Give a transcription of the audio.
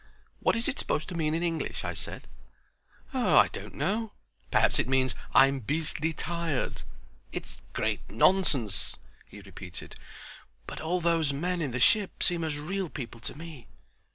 "What is it supposed to mean in English?" I said. "Oh, I don't know. Perhaps it means 'I'm beastly tired.' It's great nonsense," he repeated, "but all those men in the ship seem as real people to me.